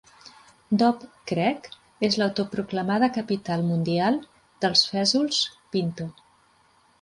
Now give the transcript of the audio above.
Dove Creek és l'autoproclamada Capital Mundial dels Fesols Pinto.